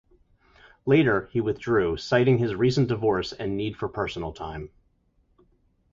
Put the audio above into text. Later, he withdrew, citing his recent divorce and need for personal time.